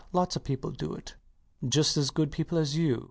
Lots of people do it: just as good people as you.